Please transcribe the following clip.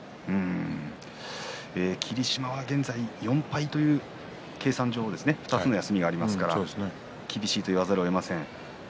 霧島は現在４敗という、計算上２つの休みがありますから厳しいと言わざるをえません。